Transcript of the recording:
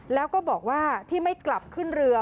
แล้วก็บอกว่าที่ไม่กลับขึ้นเรือ